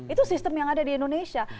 itu sistem yang ada di indonesia